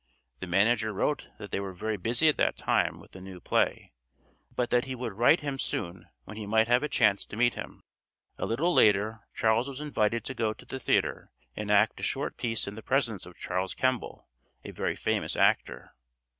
The manager wrote that they were very busy at that time with a new play, but that he would write him soon when he might have a chance to meet him. A little later Charles was invited to go to the theatre and act a short piece in the presence of Charles Kemble, a very famous actor.